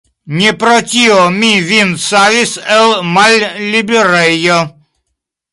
Ne pro tio mi vin savis el malliberejo.